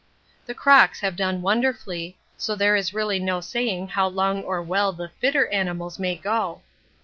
The crocks have done wonderfully, so there is really no saying how long or well the fitter animals may go.